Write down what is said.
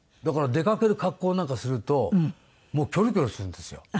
だから出かける格好なんかするとキョロキョロするんですよ。